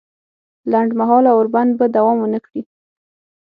لنډ مهاله اوربند به دوام ونه کړي